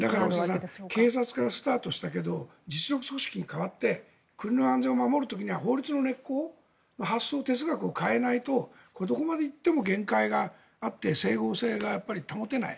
だから大下さん警察からスタートしたけど実力組織に変わって国の安全を守る時には法律の発想を哲学を変えないとどこまで行っても限界があって整合性が保てない。